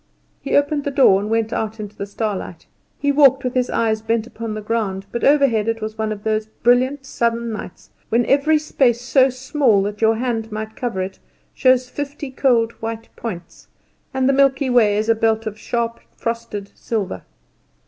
He opened the door and went out into the starlight. He walked with his eyes bent upon the ground, but overhead it was one of those brilliant southern nights when every space so small that your hand might cover it shows fifty cold white points, and the Milky Way is a belt of sharp frosted silver.